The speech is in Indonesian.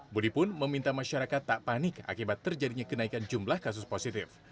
budi pun meminta masyarakat tak panik akibat terjadinya kenaikan jumlah kasus positif